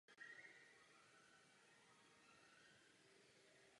Je řazen mezi nejlepší norské lyžaře všech dob.